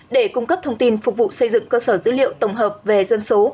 để cung cấp thông tin phục vụ xây dựng cơ sở dữ liệu tổng hợp về dân số